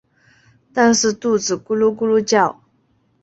但是肚子咕噜咕噜叫